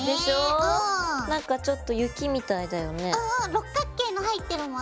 六角形の入ってるもんね！